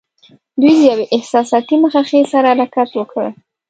دوی د یوې احساساتي مخه ښې سره حرکت وکړ.